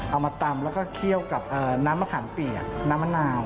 เอามาตำแล้วก็เคี่ยวกับน้ำมะขามเปียกน้ำมะนาว